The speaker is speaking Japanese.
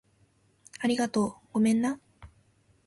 ありがとう。ごめんな